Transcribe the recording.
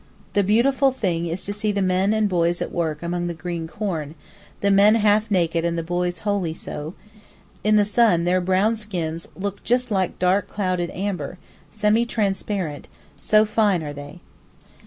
The beautiful thing is to see the men and boys at work among the green corn, the men half naked and the boys wholly so; in the sun their brown skins look just like dark clouded amber—semi transparent, so fine are they.